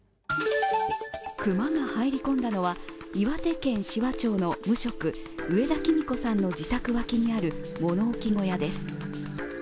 熊が入り込んだのは、岩手県紫波町の無職、上田君子さんの自宅脇にある物置小屋です。